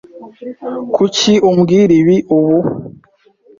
Kuki umbwira ibi? ubu?